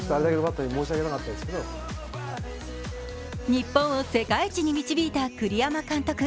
日本を世界一に導いた栗山監督。